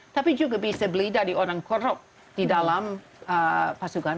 tapi juga bisa beli dari orang korup di dalam pasukan